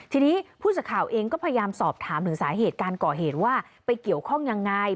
ทีนี้ผู้สื่อข่าวเองก็พยายามสอบถามถึงสาเหตุการก่อเหตุว่าไปเกี่ยวข้องยังไง